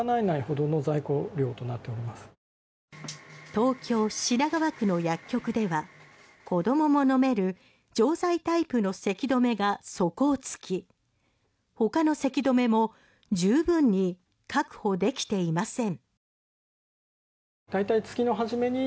東京・品川区の薬局では子供も飲める錠剤タイプのせき止めが底をつき他のせき止めも十分に確保できていません。